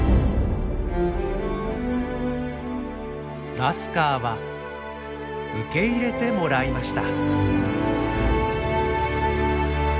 ラスカーは受け入れてもらいました。